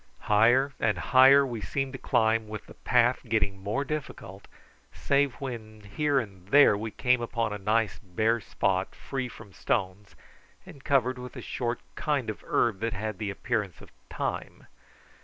Higher and higher we seemed to climb, with the path getting more difficult, save when here and there we came upon a nice bare spot free from stones, and covered with a short kind of herb that had the appearance of thyme.